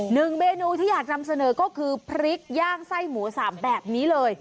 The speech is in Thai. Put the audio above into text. หนึ่งเมนูที่อยากนำเสนอก็คือพริกย่างไส้หมูสามแบบนี้เลย